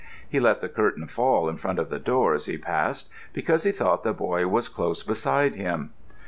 He let the curtain fall in front of the door as he passed, because he thought the boy was close beside him.